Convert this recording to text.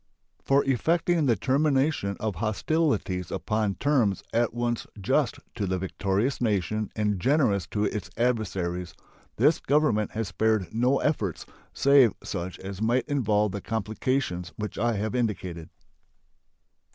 For effecting the termination of hostilities upon terms at once just to the victorious nation and generous to its adversaries, this Government has spared no efforts save such as might involve the complications which I have indicated.